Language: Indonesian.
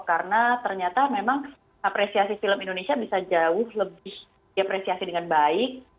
karena ternyata memang apresiasi film indonesia bisa jauh lebih diapresiasi dengan baik